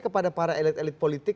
kepada para elit elit politik